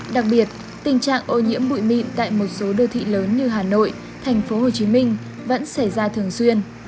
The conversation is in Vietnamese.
đặc biệt tình trạng ô nhiễm bụi mịn tại một số đô thị lớn như hà nội thành phố hồ chí minh vẫn xảy ra thường xuyên